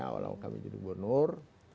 awal awal kami jadi gubernur